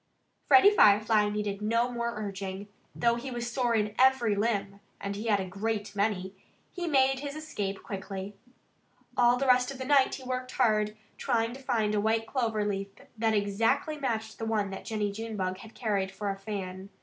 Freddie Firefly needed no more urging. Though he was sore in every limb (and he had a great many!) he made his escape quickly. All the rest of the night he worked hard, trying to find a white clover leaf that exactly matched the one that Jennie Junebug had carried for a fan.